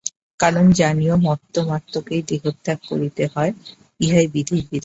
কারণ, জানিও মর্ত্যমাত্রকেই দেহত্যাগ করিতে হয়, ইহাই বিধির বিধান।